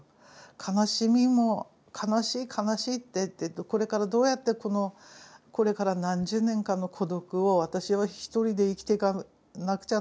悲しみも悲しい悲しいってこれからどうやってこのこれから何十年かの孤独を私は一人で生きていかなくちゃ